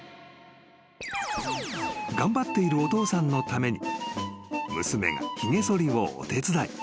［頑張っているお父さんのために娘がひげそりをお手伝い］